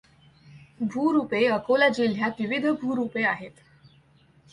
भूरूपे अकोला जिल्ह्यात विविध भूरूपे आहेत.